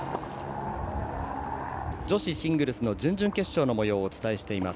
女子シングルスの準々決勝のもようをお伝えしています。